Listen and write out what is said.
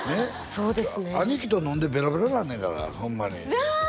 そうですね兄貴と飲んでベロベロになるねんからホンマにああ